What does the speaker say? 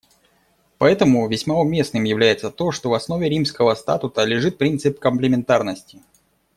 Поэтому весьма уместным является то, что в основе Римского статута лежит принцип комплементарности.